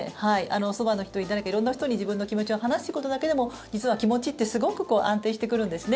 そばの人に、誰か色んな人に自分の気持ちを話すことだけでも実は気持ちってすごく安定してくるんですね。